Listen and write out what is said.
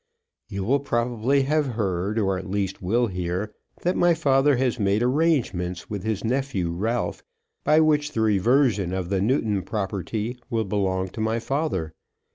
You will probably have heard, or at least will hear, that my father has made arrangements with his nephew Ralph, by which the reversion of the Newton property will belong to my father.